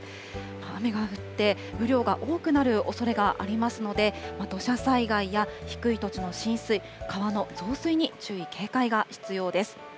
雨が降って、雨量が多くなるおそれがありますので、土砂災害や低い土地の浸水、川の増水に注意、警戒が必要です。